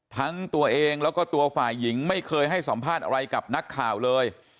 ทั้งตัวเองแล้วก็ตัวฝ่ายหญิงไม่เคยให้สัมภาษณ์อะไรกับนักข่าวเลย